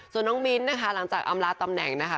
ส่วนน้องมิ้นนะคะหลังจากอำลาตำแหน่งนะคะ